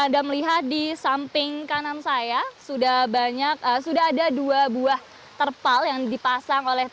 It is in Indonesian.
anda melihat di samping kanan saya sudah banyak sudah ada dua buah terpal yang dipasang oleh